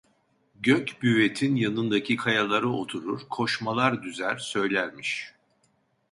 Gök Büvet'in yanındaki kayalara oturur, koşmalar düzer söylermiş.